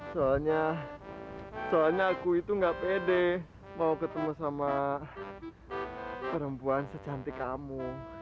soalnya soalnya aku itu gak pede mau ketemu sama perempuan secantik kamu